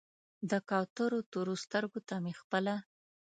د کوترو تورو سترګو ته مې خپله